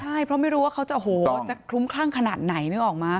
ใช่เพราะไม่รู้ว่าเขาจะโอ้โหจะคลุ้มคลั่งขนาดไหนนึกออกมา